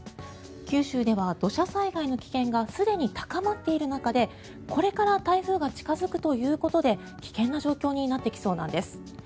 九州では土砂災害の危険がすでに高まっている中でこれから台風が近付くということで危険な状況になってきそうなんです。